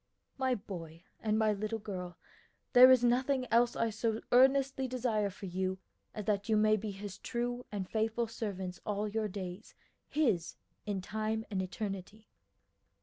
"My boy, and my little girl, there is nothing else I so earnestly desire for you as that you may be His true and faithful servants all your days, His in time and eternity."